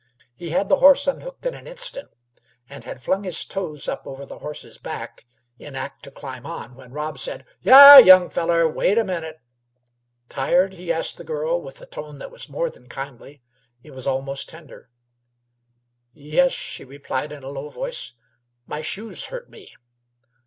He had the horse unhooked in an instant, and had flung his toes up over the horse's back, in act to climb on, when Rob said: "H'yare, young feller! wait a minute. Tired?" he asked the girl, with a tone that was more than kindly. It was almost tender. "Yes," she replied, in a low voice. "My shoes hurt me."